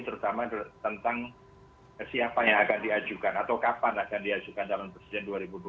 terutama tentang siapa yang akan diajukan atau kapan akan diajukan dalam presiden dua ribu dua puluh